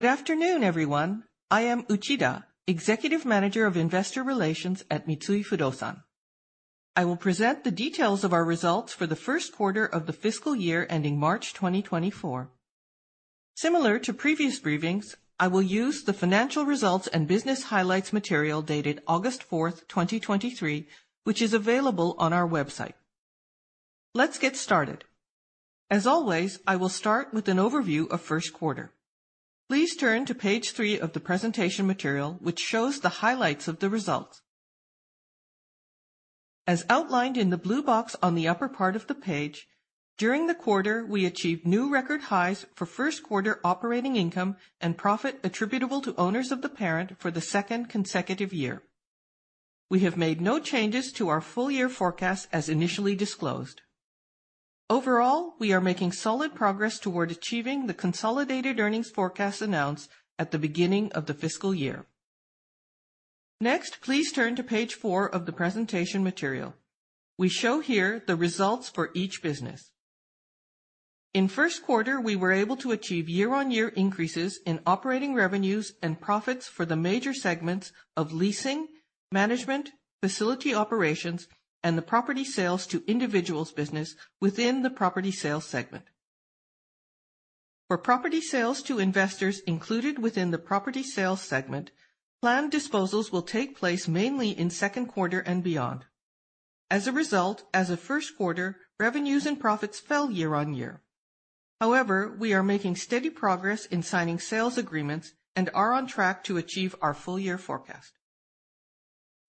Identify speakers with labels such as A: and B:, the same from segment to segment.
A: Good afternoon, everyone. I am Uchida, Executive Manager of Investor Relations at Mitsui Fudosan. I will present the details of our results for the first quarter of the fiscal year ending March 2024. Similar to previous briefings, I will use the financial results and business highlights material dated August 4, 2023, which is available on our website. Let's get started. As always, I will start with an overview of first quarter. Please turn to page three of the presentation material, which shows the highlights of the results. As outlined in the blue box on the upper part of the page, during the quarter, we achieved new record highs for first quarter operating income and profit attributable to owners of the parent for the second consecutive year. We have made no changes to our full year forecast as initially disclosed. Overall, we are making solid progress toward achieving the consolidated earnings forecast announced at the beginning of the fiscal year. Next, please turn to page four of the presentation material. We show here the results for each business. In first quarter, we were able to achieve year-on-year increases in operating revenues and profits for the major segments of Leasing, Management, Facility Operations, and the Property Sales to Individuals business within the Property Sales segment. For Property Sales to Investors included within the Property Sales segment, planned disposals will take place mainly in second quarter and beyond. As a result, as of first quarter, revenues and profits fell year-on-year. We are making steady progress in signing sales agreements and are on track to achieve our full year forecast.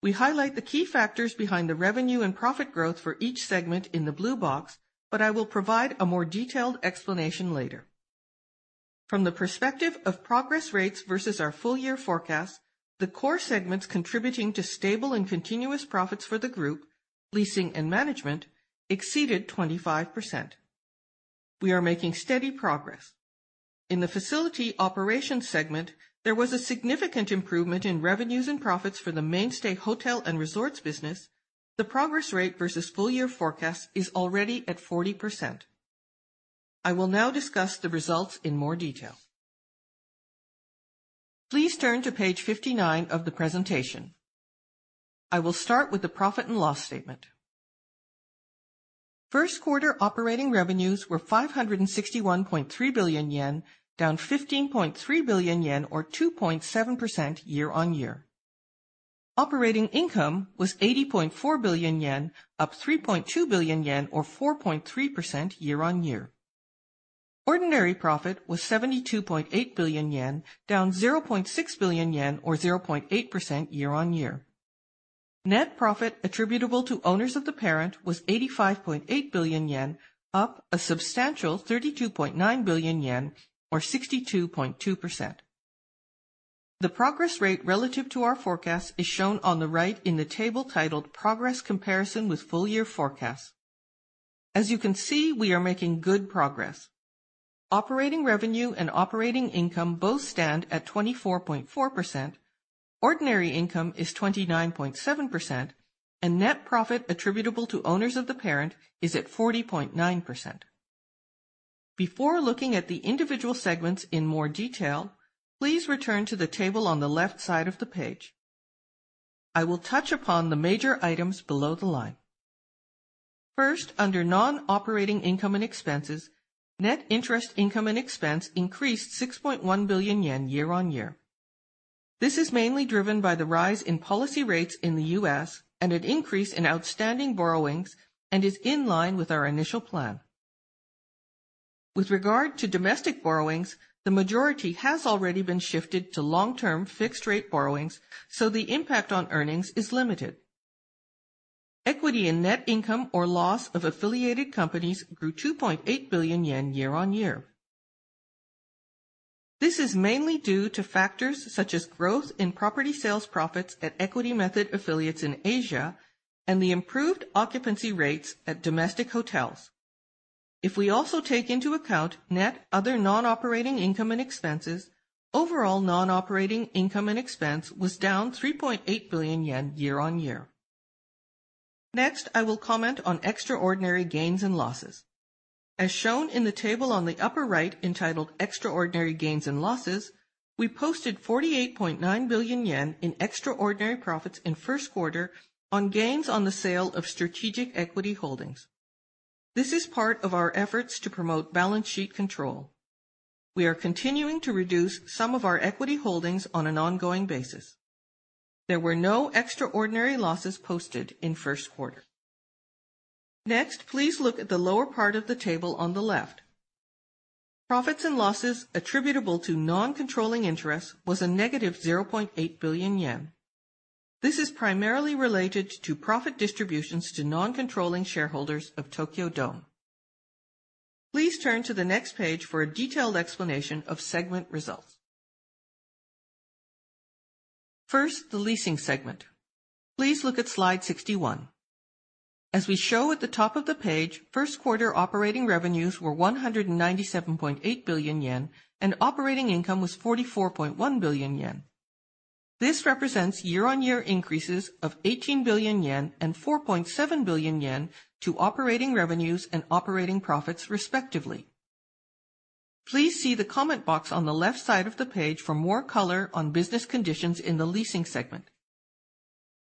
A: We highlight the key factors behind the revenue and profit growth for each segment in the blue box, but I will provide a more detailed explanation later. From the perspective of progress rates versus our full year forecast, the core segments contributing to stable and continuous profits for the group, Leasing and Management, exceeded 25%. We are making steady progress. In the Facility Operations segment, there was a significant improvement in revenues and profits for the mainstay Hotel and Resorts business. The progress rate versus full year forecast is already at 40%. I will now discuss the results in more detail. Please turn to page 59 of the presentation. I will start with the profit and loss statement. First quarter operating revenues were 561.3 billion yen, down 15.3 billion yen, or 2.7% year-on-year. Operating income was 80.4 billion yen, up 3.2 billion yen, or 4.3% year-on-year. Ordinary profit was 72.8 billion yen, down 0.6 billion yen, or 0.8% year-on-year. Net profit attributable to owners of the parent was 85.8 billion yen, up a substantial 32.9 billion yen, or 62.2%. The progress rate relative to our forecast is shown on the right in the table titled Progress Comparison with Full Year Forecast. As you can see, we are making good progress. Operating revenue and operating income both stand at 24.4%. Ordinary income is 29.7%, and net profit attributable to owners of the parent is at 40.9%. Before looking at the individual segments in more detail, please return to the table on the left side of the page. I will touch upon the major items below the line. First, under non-operating income and expenses, net interest income and expense increased 6.1 billion yen year-on-year. This is mainly driven by the rise in policy rates in the U.S. and an increase in outstanding borrowings, and is in line with our initial plan. With regard to domestic borrowings, the majority has already been shifted to long-term fixed rate borrowings, so the impact on earnings is limited. Equity and net income or loss of affiliated companies grew 2.8 billion yen year-on-year. This is mainly due to factors such as growth in property sales profits at equity method affiliates in Asia and the improved occupancy rates at domestic hotels. If we also take into account net other non-operating income and expenses, overall non-operating income and expense was down 3.8 billion yen year-on-year. Next, I will comment on extraordinary gains and losses. As shown in the table on the upper right entitled Extraordinary Gains and Losses, we posted 48.9 billion yen in extraordinary profits in first quarter on gains on the sale of strategic equity holdings. This is part of our efforts to promote balance sheet control. We are continuing to reduce some of our equity holdings on an ongoing basis. There were no extraordinary losses posted in first quarter. Next, please look at the lower part of the table on the left. Profits and losses attributable to non-controlling interests was a negative 0.8 billion yen. This is primarily related to profit distributions to non-controlling shareholders of Tokyo Dome. Please turn to the next page for a detailed explanation of segment results. First, the Leasing segment. Please look at slide 61. As we show at the top of the page, first quarter operating revenues were 197.8 billion yen, and operating income was 44.1 billion yen. This represents year-on-year increases of 18 billion yen and 4.7 billion yen to operating revenues and operating profits, respectively. Please see the comment box on the left side of the page for more color on business conditions in the Leasing segment.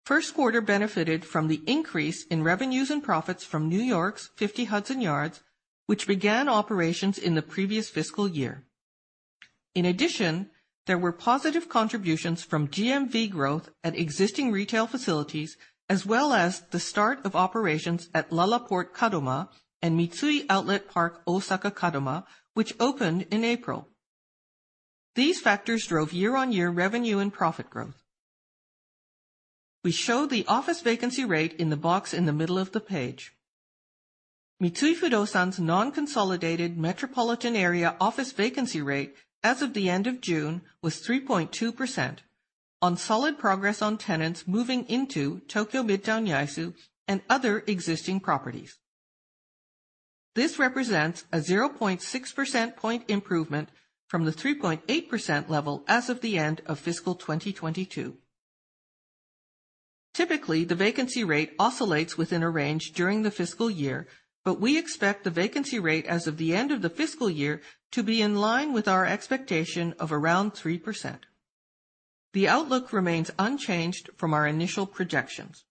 A: First quarter benefited from the increase in revenues and profits from New York's Fifty Hudson Yards, which began operations in the previous fiscal year. In addition, there were positive contributions from GMV growth at existing retail facilities, as well as the start of operations at LaLaport Kadoma and Mitsui Outlet Park Osaka Kadoma, which opened in April. These factors drove year-on-year revenue and profit growth. We show the office vacancy rate in the box in the middle of the page. Mitsui Fudosan's non-consolidated metropolitan area office vacancy rate as of the end of June was 3.2%, on solid progress on tenants moving into Tokyo Midtown Yaesu and other existing properties. This represents a 0.6 percent point improvement from the 3.8% level as of the end of fiscal 2022. Typically, the vacancy rate oscillates within a range during the fiscal year, but we expect the vacancy rate as of the end of the fiscal year to be in line with our expectation of around 3%. The outlook remains unchanged from our initial projections.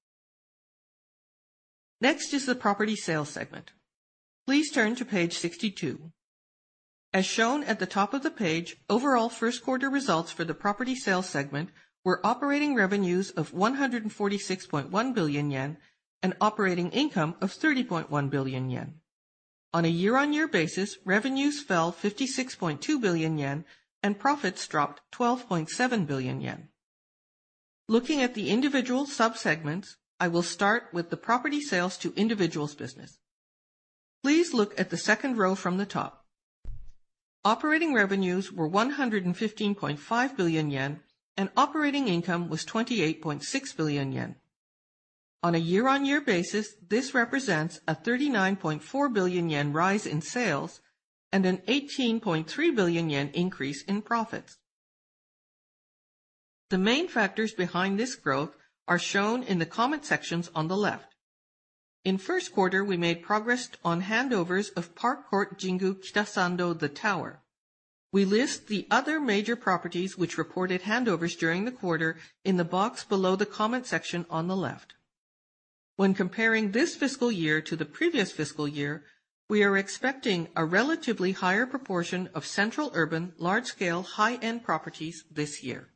A: Next is the Property Sales segment. Please turn to page 62. As shown at the top of the page, overall first quarter results for the Property Sales segment were operating revenues of 146.1 billion yen and operating income of 30.1 billion yen. On a year-on-year basis, revenues fell 56.2 billion yen and profits dropped 12.7 billion yen. Looking at the individual subsegments, I will start with the Property Sales to Individuals business. Please look at the second row from the top. Operating revenues were 115.5 billion yen, and operating income was 28.6 billion yen. On a year-on-year basis, this represents a 39.4 billion yen rise in sales and an 18.3 billion yen increase in profits. The main factors behind this growth are shown in the comment sections on the left. In first quarter, we made progress on handovers of Park Court Jingu Kitasando The Tower. We list the other major properties which reported handovers during the quarter in the box below the comment section on the left. When comparing this fiscal year to the previous fiscal year, we are expecting a relatively higher proportion of central urban, large-scale, high-end properties this year.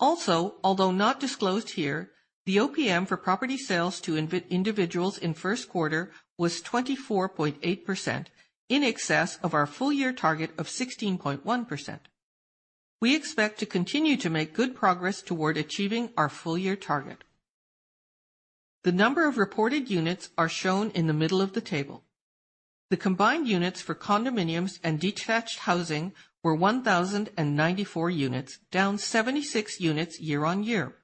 A: Although not disclosed here, the OPM for property sales to individuals in first quarter was 24.8%, in excess of our full year target of 16.1%. We expect to continue to make good progress toward achieving our full year target. The number of reported units are shown in the middle of the table. The combined units for condominiums and detached housing were 1,094 units, down 76 units year-on-year.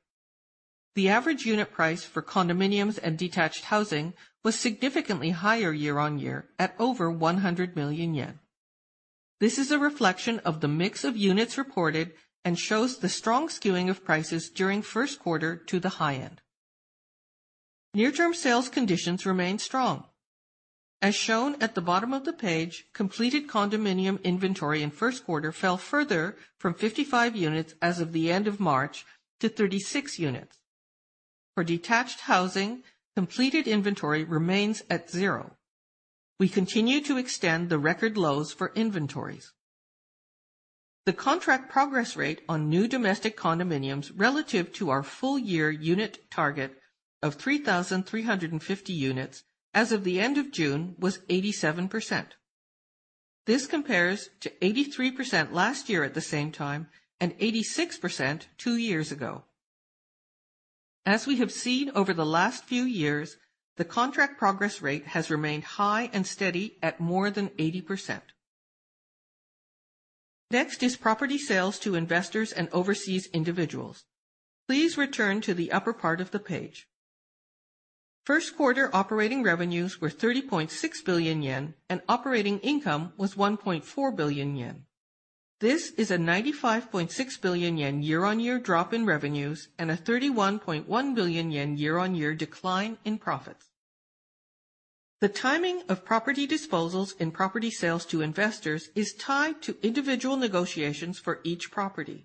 A: The average unit price for condominiums and detached housing was significantly higher year-on-year at over 100 million yen. This is a reflection of the mix of units reported and shows the strong skewing of prices during first quarter to the high end. Near-term sales conditions remain strong. As shown at the bottom of the page, completed condominium inventory in first quarter fell further from 55 units as of the end of March to 36 units. For detached housing, completed inventory remains at zero. We continue to extend the record lows for inventories. The contract progress rate on new domestic condominiums relative to our full year unit target of 3,350 units as of the end of June was 87%. This compares to 83% last year at the same time and 86% two years ago. As we have seen over the last few years, the contract progress rate has remained high and steady at more than 80%. Next is Property Sales to Investors and overseas individuals. Please return to the upper part of the page. First quarter operating revenues were 30.6 billion yen and operating income was 1.4 billion yen. This is a 95.6 billion yen year-on-year drop in revenues and a 31.1 billion yen year-on-year decline in profits. The timing of property disposals in property sales to investors is tied to individual negotiations for each property.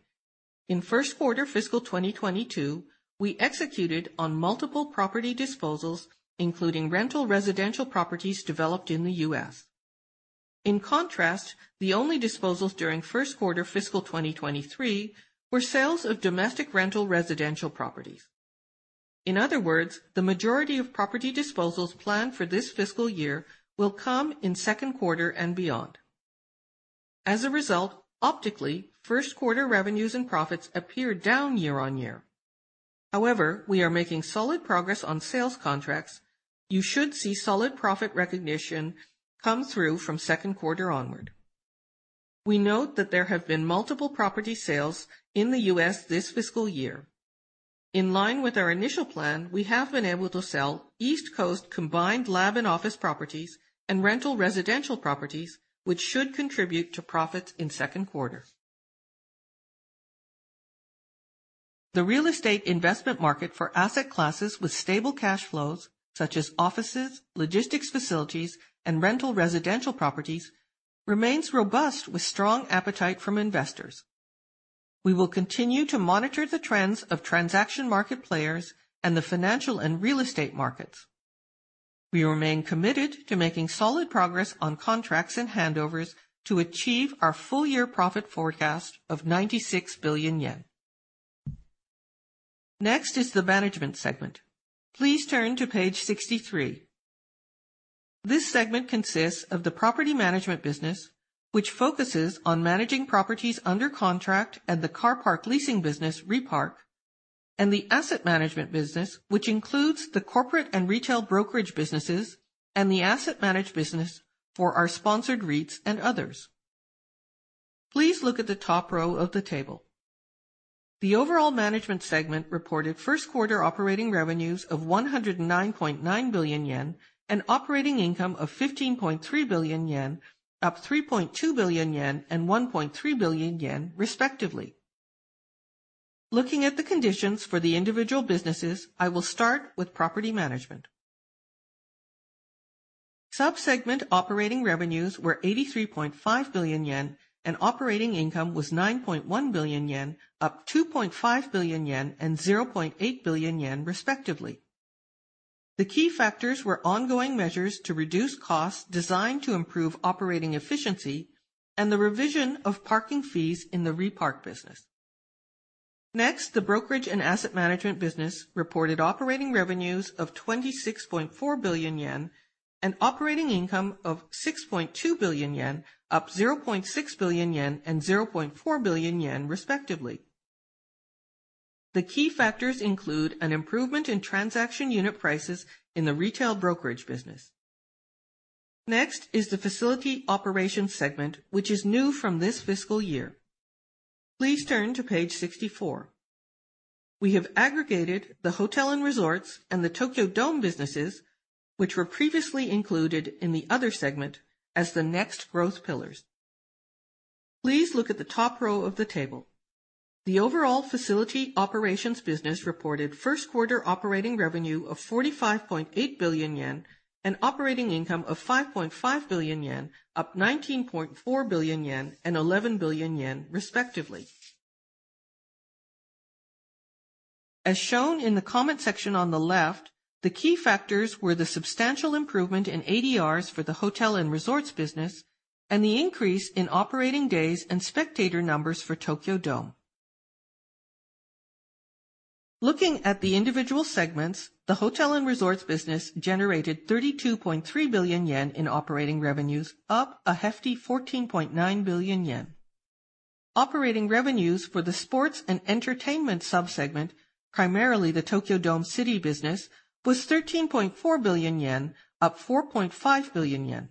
A: In first quarter fiscal 2022, we executed on multiple property disposals, including rental residential properties developed in the U.S. In contrast, the only disposals during first quarter fiscal 2023 were sales of domestic rental residential properties. In other words, the majority of property disposals planned for this fiscal year will come in second quarter and beyond. As a result, optically, first quarter revenues and profits appear down year-on-year. However, we are making solid progress on sales contracts. You should see solid profit recognition come through from second quarter onward. We note that there have been multiple property sales in the U.S. this fiscal year. In line with our initial plan, we have been able to sell East Coast combined lab and office properties and rental residential properties, which should contribute to profits in second quarter. The real estate investment market for asset classes with stable cash flows, such as offices, logistics facilities, and rental residential properties, remains robust, with strong appetite from investors. We will continue to monitor the trends of transaction market players and the financial and real estate markets. We remain committed to making solid progress on contracts and handovers to achieve our full year profit forecast of 96 billion yen. Next is the Management segment. Please turn to page 63. This segment consists of the Property Management business, which focuses on managing properties under contract, and the car park Leasing business, Repark, and the Asset Management business, which includes the Corporate and Retail Brokerage businesses and the Asset Manage business for our sponsored REITs and others. Please look at the top row of the table. The overall Management segment reported first quarter operating revenues of 109.9 billion yen and operating income of 15.3 billion yen, up 3.2 billion yen and 1.3 billion yen, respectively. Looking at the conditions for the individual businesses, I will start with Property Management. Subsegment operating revenues were 83.5 billion yen, and operating income was 9.1 billion yen, up 2.5 billion yen and 0.8 billion yen, respectively. The key factors were ongoing measures to reduce costs designed to improve operating efficiency and the revision of parking fees in the Repark business. Next, the Brokerage and Asset Management business reported operating revenues of 26.4 billion yen and operating income of 6.2 billion yen, up 0.6 billion yen and 0.4 billion yen, respectively. The key factors include an improvement in transaction unit prices in the Retail Brokerage business. Next is the Facility Operations segment, which is new from this fiscal year. Please turn to page 64. We have aggregated the Hotel and Resorts and the Tokyo Dome businesses, which were previously included in the other segment as the next growth pillars. Please look at the top row of the table. The overall Facility Operations business reported first quarter operating revenue of 45.8 billion yen and operating income of 5.5 billion yen, up 19.4 billion yen and 11 billion yen, respectively. As shown in the comment section on the left, the key factors were the substantial improvement in ADRs for the Hotel and Resorts business and the increase in operating days and spectator numbers for Tokyo Dome. Looking at the individual segments, the Hotel and Resorts business generated 32.3 billion yen in operating revenues, up a hefty 14.9 billion yen. Operating revenues for the Sports and Entertainment subsegment, primarily the Tokyo Dome City business, was 13.4 billion yen, up 4.5 billion yen.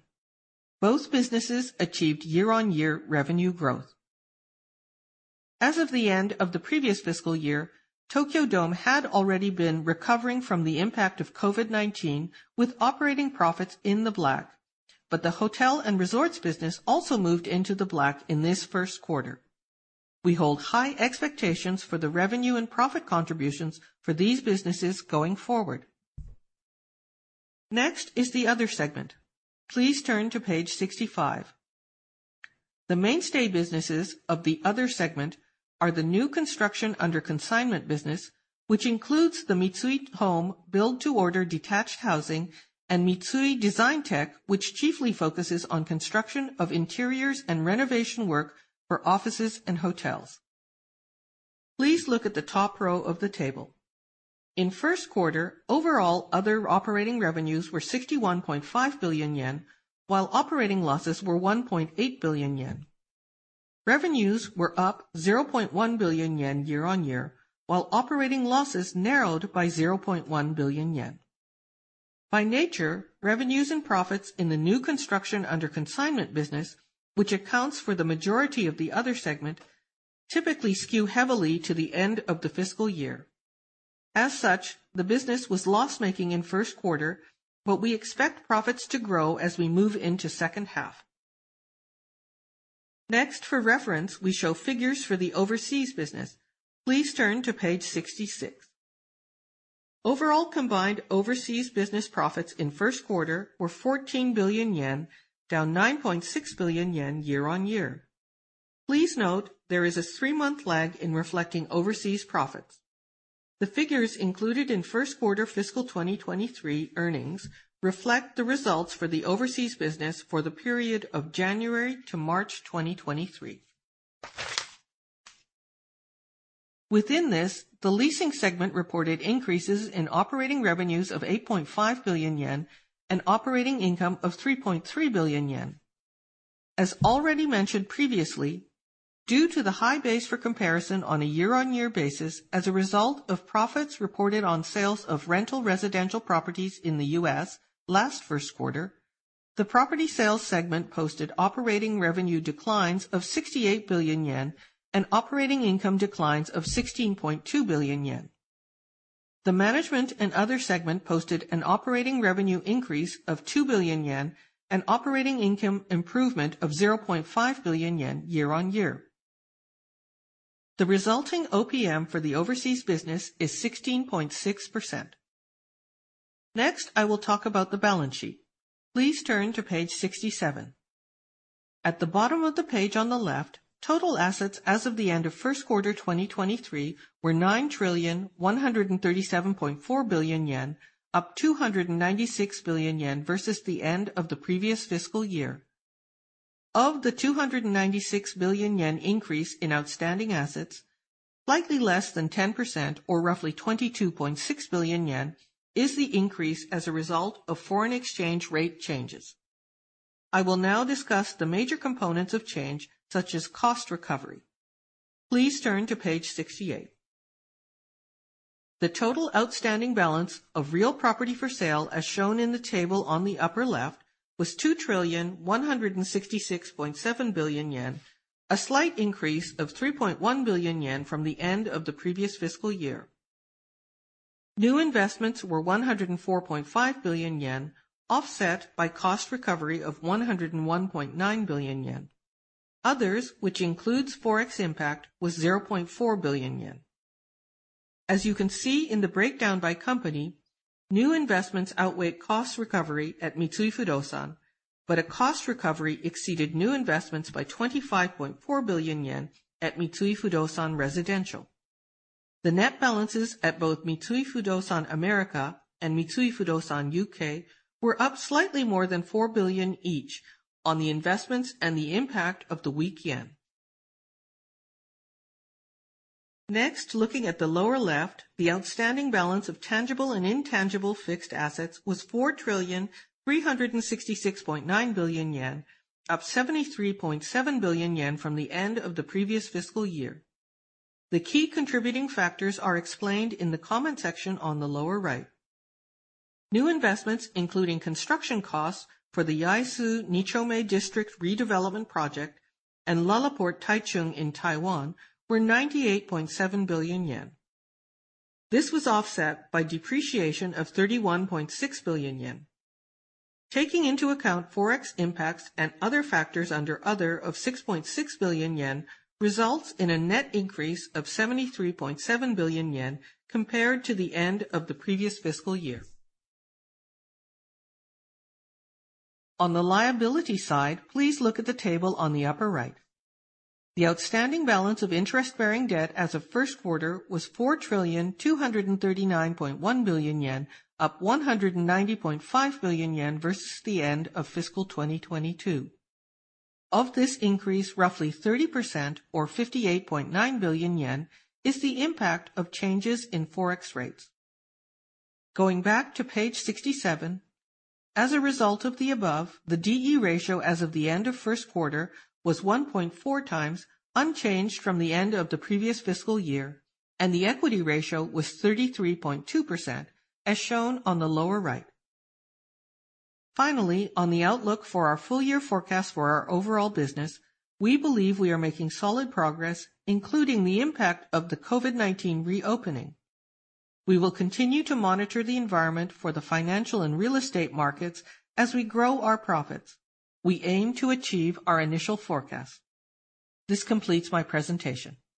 A: Both businesses achieved year-on-year revenue growth. As of the end of the previous fiscal year, Tokyo Dome had already been recovering from the impact of COVID-19, with operating profits in the black. The Hotel and Resorts business also moved into the black in this first quarter. We hold high expectations for the revenue and profit contributions for these businesses going forward. Next is the Other segment. Please turn to page 65. The mainstay businesses of the Other segment are the new construction under Consignment business, which includes the Mitsui Home build-to-order detached housing, and Mitsui Designtec, which chiefly focuses on construction of interiors and renovation work for offices and hotels. Please look at the top row of the table. In first quarter, overall other operating revenues were 61.5 billion yen, while operating losses were 1.8 billion yen. Revenues were up 0.1 billion yen year-on-year, while operating losses narrowed by 0.1 billion yen. By nature, revenues and profits in the new construction under Consignment business, which accounts for the majority of the Other segment, typically skew heavily to the end of the fiscal year. As such, the business was loss-making in first quarter, but we expect profits to grow as we move into second half. For reference, we show figures for the Overseas business. Please turn to page 66. Overall, combined Overseas business profits in first quarter were 14 billion yen, down 9.6 billion yen year-on-year. Please note there is a three-month lag in reflecting overseas profits. The figures included in first quarter fiscal 2023 earnings reflect the results for the Overseas business for the period of January to March 2023. Within this, the Leasing segment reported increases in operating revenues of 8.5 billion yen and operating income of 3.3 billion yen. As already mentioned previously, due to the high base for comparison on a year-on-year basis as a result of profits reported on sales of rental residential properties in the U.S. last first quarter. The Property Sales segment posted operating revenue declines of 68 billion yen and operating income declines of 16.2 billion yen. The Management and Other segment posted an operating revenue increase of 2 billion yen and operating income improvement of 0.5 billion yen year on year. The resulting OPM for the Overseas business is 16.6%. Next, I will talk about the balance sheet. Please turn to page 67. At the bottom of the page on the left, total assets as of the end of first quarter 2023 were 9,137.4 billion yen, up 296 billion yen versus the end of the previous fiscal year. Of the 296 billion yen increase in outstanding assets, likely less than 10% or roughly 22.6 billion yen, is the increase as a result of foreign exchange rate changes. I will now discuss the major components of change, such as cost recovery. Please turn to page 68. The total outstanding balance of real property for sale, as shown in the table on the upper left, was 2,166.7 billion yen, a slight increase of 3.1 billion yen from the end of the previous fiscal year. New investments were 104.5 billion yen, offset by cost recovery of 101.9 billion yen. Others, which includes Forex impact, was 0.4 billion yen. As you can see in the breakdown by company, new investments outweighed cost recovery at Mitsui Fudosan, a cost recovery exceeded new investments by 25.4 billion yen at Mitsui Fudosan Residential. The net balances at both Mitsui Fudosan America and Mitsui Fudosan U.K. were up slightly more than 4 billion each on the investments and the impact of the weak yen. Next, looking at the lower left, the outstanding balance of tangible and intangible fixed assets was 4,366.9 billion yen, up 73.7 billion yen from the end of the previous fiscal year. The key contributing factors are explained in the comment section on the lower right. New investments, including construction costs for the Yaesu Nichome District redevelopment project and LaLaport Taichung in Taiwan, were 98.7 billion yen. This was offset by depreciation of 31.6 billion yen. Taking into account Forex impacts and other factors under other of 6.6 billion yen results in a net increase of 73.7 billion yen compared to the end of the previous fiscal year. On the liability side, please look at the table on the upper right. The outstanding balance of interest-bearing debt as of first quarter was 4,239.1 billion yen, up 190.5 billion yen versus the end of fiscal 2022. Of this increase, roughly 30% or 58.9 billion yen, is the impact of changes in Forex rates. Going back to page 67, as a result of the above, the D/E ratio as of the end of first quarter was 1.4 times, unchanged from the end of the previous fiscal year, and the equity ratio was 33.2%, as shown on the lower right. Finally, on the outlook for our full year forecast for our overall business, we believe we are making solid progress, including the impact of the COVID-19 reopening. We will continue to monitor the environment for the financial and real estate markets as we grow our profits. We aim to achieve our initial forecast. This completes my presentation.